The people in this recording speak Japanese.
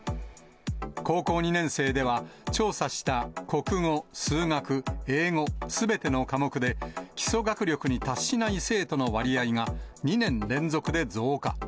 高校２年生では、調査した国語、数学、英語、すべての科目で、基礎学力に達しない生徒の割合が２年連続で増加。